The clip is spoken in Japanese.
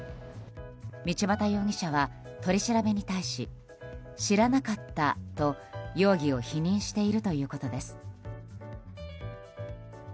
道端容疑者は取り調べに対し知らなかったと、容疑を否認しているということです。